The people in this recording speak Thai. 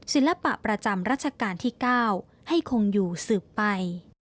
ศิลปะประจำรัชกาลที่๙ให้คงอยู่สืบไป